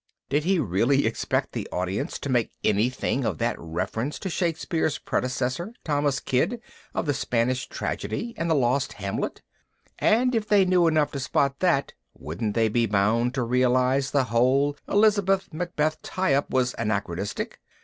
Did he really expect the audience to make anything of that reference to Shakespeare's predecessor Thomas Kyd of The Spanish Tragedy and the lost Hamlet? And if they knew enough to spot that, wouldn't they be bound to realize the whole Elizabeth Macbeth tie up was anachronistic?